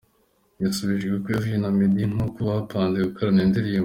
Yasubije uko yahuye na Meddy n’uko bapanze gukorana indirimbo.